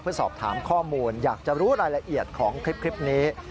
เพื่อสอบถามข้อมูลอยากจะรู้รายละเอียดของคลิปนี้